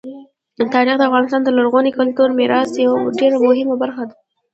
تاریخ د افغانستان د لرغوني کلتوري میراث یوه ډېره مهمه برخه ده.